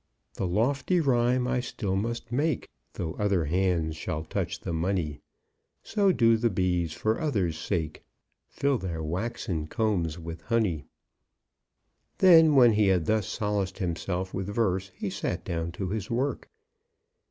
The lofty rhyme I still must make, Though other hands shall touch the money. So do the bees for others' sake Fill their waxen combs with honey." Then, when he had thus solaced himself with verse, he sat down to his work.